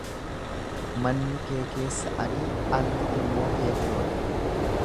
Manni kee keessa adii alli immoo keelloo dha.